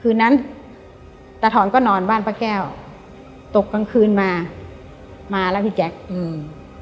คืนนั้นตาถอนก็นอนบ้านป้าแก้วตกกลางคืนมามาแล้วพี่แจ๊คอืม